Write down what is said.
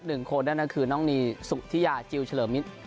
หนึ่งคนนั่นก็คือน้องนีสุธิยาจิลเฉลิมมิตร